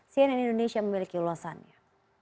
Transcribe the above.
cnn indonesia memiliki ulasannya